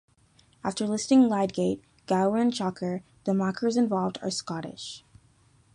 After listing Lydgate, Gower and Chaucer, the makars invoked are Scottish.